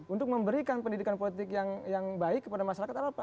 untuk memberikan pendidikan politik yang baik kepada masyarakat atau apa